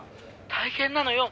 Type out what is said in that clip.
「大変なのよ。